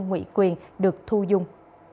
nguyện quyền được thu dung